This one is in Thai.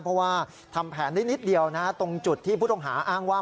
เพราะว่าทำแผนได้นิดเดียวนะตรงจุดที่ผู้ต้องหาอ้างว่า